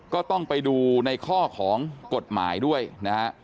ก็ต้องไปดูในข้อของกฎหมายด้วยนะฮะ